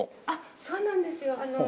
あっそうなんですよ。